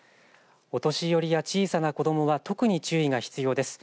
お年寄りや小さな子どもは特に注意が必要です。